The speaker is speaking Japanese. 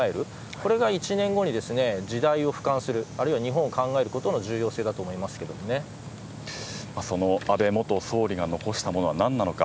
これが１年後に時代を俯瞰するあるいは日本を考えることのその安倍元総理が残したものは何なのか。